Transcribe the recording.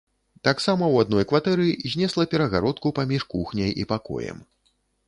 Таксама ў адной кватэры знесла перагародку паміж кухняй і пакоем.